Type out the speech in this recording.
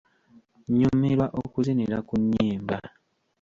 Nnyumirwa okuzinira ku nnyimba.